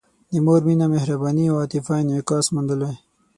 د مور مینه، مهرباني او عاطفه انعکاس موندلی.